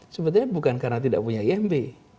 sebenarnya bukan karena tidak punya imb